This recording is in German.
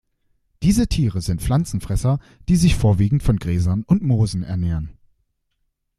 Diese Tiere sind Pflanzenfresser, die sich vorwiegend von Gräsern und Moosen ernähren.